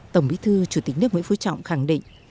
tổng bí thư chủ tịch nước nguyễn phú trọng khẳng định